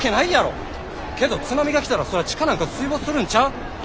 けど津波が来たらそりゃ地下なんか水没するんちゃう？